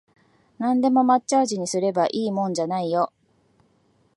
なんでも抹茶味にすればいいってもんじゃないよ